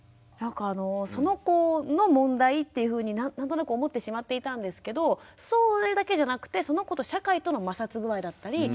なんかその子の問題っていうふうに何となく思ってしまっていたんですけどそれだけじゃなくてその子と社会との摩擦具合だったり